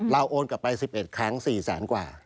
เราโอนกลับไป๑๑ครั้ง๔๐๐๐๐๐๐บาทกว่า